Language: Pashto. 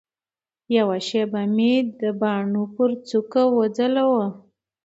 یوه شېبه مي د باڼو پر څوکه وځلوه